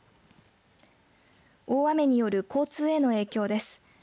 大雨による交通への影響です。